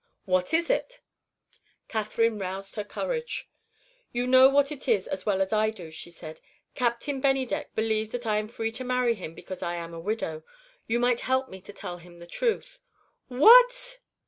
"What is it?" Catherine roused her courage. "You know what it is as well as I do," she said. "Captain Bennydeck believes that I am free to marry him because I am a widow. You might help me to tell him the truth." "What!!!"